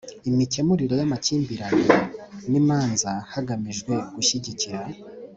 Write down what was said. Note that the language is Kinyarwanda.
Imikemurire y amakimbirane n imanza hagamijwe gushyigikira